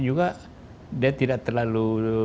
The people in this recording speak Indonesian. juga dia tidak terlalu